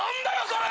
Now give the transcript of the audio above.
⁉それ！